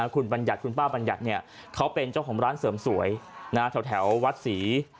คุณบัญญัติคุณป้าบัญญัติเขาเป็นเจ้าของร้านเสริมสวยแถววัดศรี